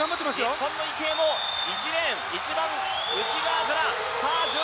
日本の池江も１レーン内側から。